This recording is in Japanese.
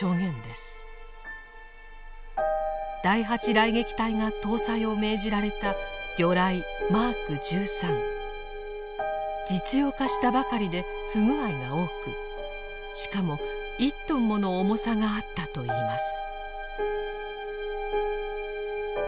雷撃隊が搭載を命じられた実用化したばかりで不具合が多くしかも１トンもの重さがあったといいます。